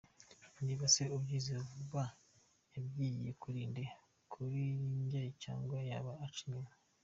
Niba se abyize vuba yabyigiye kuri nde ?kuri jye cyangwa yaba anca inyuma?.